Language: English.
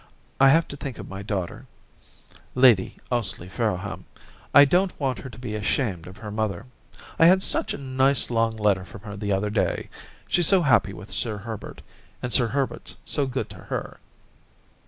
I have to think of my daughter, Lady Ously Farrowham. I don't want her to be ashamed of her mother. I had such a nice long letter from her the other day. She's so happy with Sir Herbert. And Sir Herbert's so good to her.'